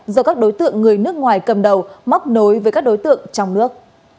do các đối tượng người nước ngoài cầm đầu móc nối với các đối tượng trong nước